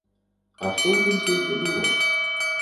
А што ў тым сейфе было?